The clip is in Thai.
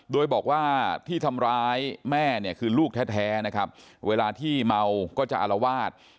โดยบอกว่าที่ทำร้ายแม่เนี่ยคือลูกแท้นะครับเวลาที่เมาก็จะอารวาส